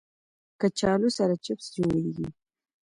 کچالو سره چپس جوړېږي